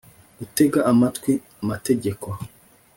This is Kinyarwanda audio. Gutega amatwi amategeko